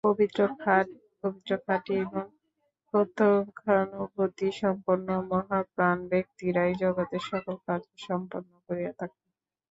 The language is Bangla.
পবিত্র, খাঁটি এবং প্রত্যক্ষানুভূতিসম্পন্ন মহাপ্রাণ ব্যক্তিরাই জগতে সকল কার্য সম্পন্ন করিয়া থাকেন।